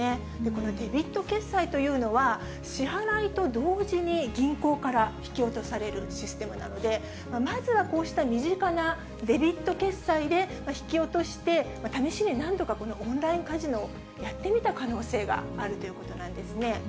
このデビット決済というのは、支払いと同時に銀行から引き落とされるシステムなので、まずはこうした身近なデビット決済で引き落として、試しに何度かオンラインカジノをやってみた可能性があるということなんですね。